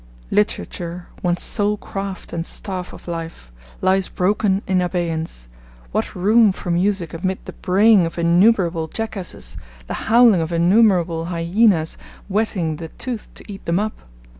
Literature, one's sole craft and staff of life, lies broken in abeyance; what room for music amid the braying of innumerable jackasses, the howling of innumerable hyaenas whetting the tooth to eat them up?